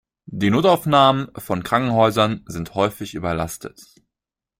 Die Notaufnahmen von Krankenhäusern sind häufig überlastet.